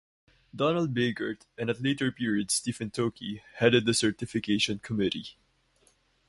Donald Bagert, and at later period Stephen Tockey headed the certification committee.